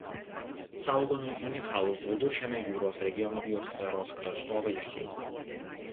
Saugomi unikalūs Viduržemio jūros regiono biosferos kraštovaizdžiai.